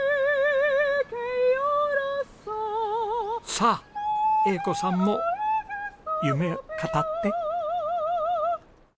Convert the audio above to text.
さあ英子さんも夢を語って。